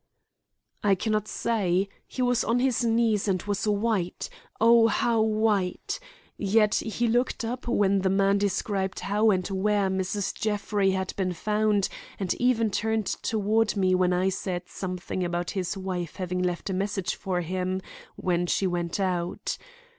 "I can not say; he was on his knees and was white—Oh, how white! Yet he looked up when the man described how and where Mrs. Jeffrey, had been found and even turned toward me when I said something about his wife having left a message for him when she went out.